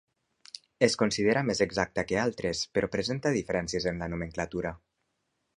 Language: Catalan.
És considerada més exacta que altres però presenta diferències en la nomenclatura.